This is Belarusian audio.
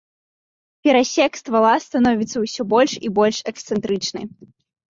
Перасек ствала становіцца ўсё больш і больш эксцэнтрычны.